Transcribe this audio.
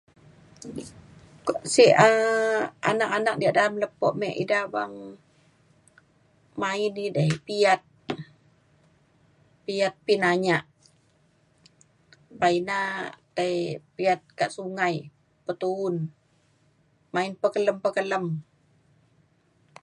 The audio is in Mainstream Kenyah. Kuak sek um anak anak diak dalem lepo me ida beng main edei piyat piyat pinanyak. Pa ina dai piyat kak sungai petu’un main pa pekelem pekelem